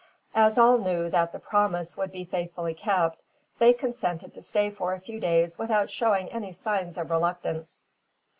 As all knew that the promise would be faithfully kept, they consented to stay for a few days without showing any signs of reluctance.